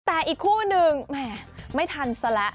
แต่อีกคู่หนึ่งแหมไม่ทันซะแล้ว